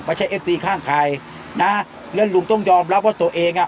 เอฟซีข้างใครนะแล้วลุงต้องยอมรับว่าตัวเองอ่ะ